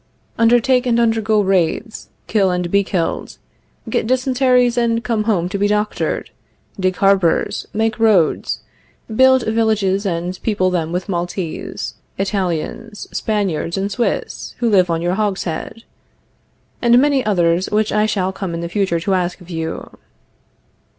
Undertake and undergo raids; kill and be killed; get dysenteries and come home to be doctored; dig harbors, make roads, build villages and people them with Maltese, Italians, Spaniards and Swiss, who live on your hogshead, and many others which I shall come in the future to ask of you.